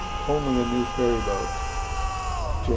ONLY A NEW FERRY BOAT _Jan.